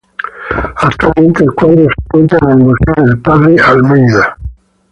Actualmente el cuadro se encuentra en el Museo del Padre Almeida.